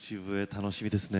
楽しみですね。